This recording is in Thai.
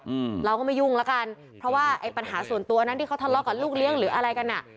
อืมเราก็ไม่ยุ่งแล้วกันเพราะว่าไอ้ปัญหาส่วนตัวนั้นที่เขาทะเลาะกับลูกเลี้ยงหรืออะไรกันอ่ะ